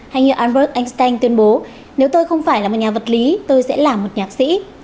hay như albert einstein tuyên bố nếu tôi không phải là một nhà vật lý tôi sẽ làm một nhạc sĩ